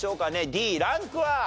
Ｄランクは？